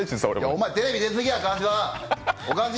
お前、テレビ出すぎや川島！